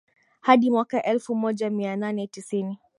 hadi mwaka elfu moja mia nane tisini